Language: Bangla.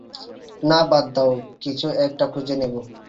না, বাদ দাও, কিছু একটা খুঁজে নেবো।